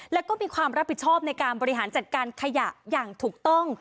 แล้วก็มีความรับผิดชอบในการบริหารจัดการขยะอย่างถูกต้อง